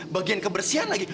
bagian kebersihan lagi